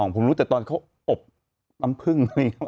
ผมรู้จากตอนเขาอบน้ำผึ้ง